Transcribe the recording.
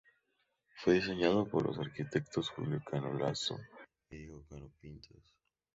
Fue diseñado por los arquitectos Julio Cano Lasso y Diego Cano Pintos.